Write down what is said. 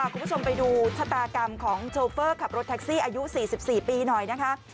คุณผู้ชมไปดูชะตากรรมของโชเฟอร์ขับรถแท็กซี่อายุ๔๔ปีหน่อยนะคะ